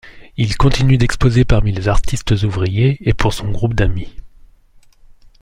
Il continue d'exposer parmi les artistes-ouvriers et pour son groupe d'amis.